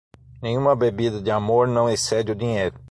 Nenhuma bebida de amor não excede o dinheiro.